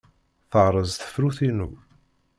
Terreẓ tefrut-inu.